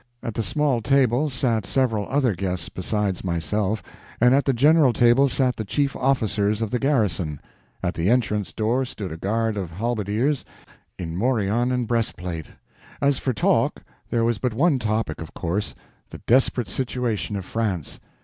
At the small table sat several other guests besides myself, and at the general table sat the chief officers of the garrison. At the entrance door stood a guard of halberdiers, in morion and breastplate. As for talk, there was but one topic, of course—the desperate situation of France.